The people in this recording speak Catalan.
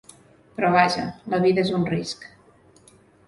Però vaja, la vida és un risc.